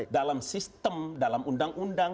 dalam sistem dalam undang undang